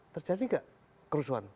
terjadi gak kerusuhan